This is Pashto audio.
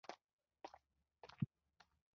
ځان وژنې حیثیت درلود.